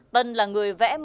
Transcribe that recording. tân là người vẽ mô hình súng